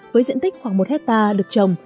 với diện tích khoảng một hectare được trồng